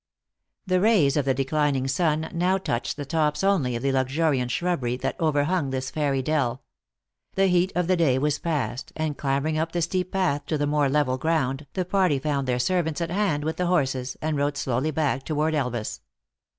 The rays of the declining sun now touched the tops only of the luxuriant shrubbery, that overhung this 104 THE ACTRESS IN HIGH LIFE. fairy dell. The heat of the day was passed, and clambering up the steep path to the more level ground, the party found their servants at hand with the horses, and rode slowly back toward Elvas.